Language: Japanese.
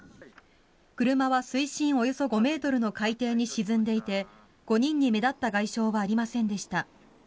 車は水深およそ５ｍの海底に沈んでいて５人に目立った外傷はありませんでした。